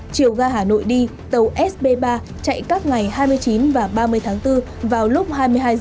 chiều ga hà nội đi tàu sb ba chạy các ngày hai mươi chín và ba mươi tháng bốn vào lúc hai mươi hai h